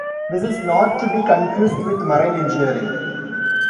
This is not to be confused with marine engineering.